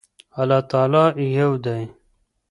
الله تعالی يو ده